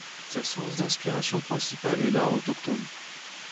Sa source d’inspiration principale est l’art autochtone.